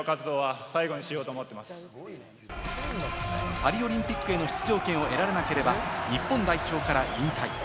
パリオリンピックへの出場権を得られなければ、日本代表から引退。